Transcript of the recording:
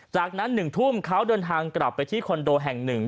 จากนั้น๑ทุ่มเขาเดินทางกลับไปที่คอนโดแห่งหนึ่ง